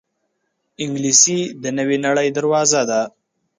انګلیسي د نوې نړۍ دروازه ده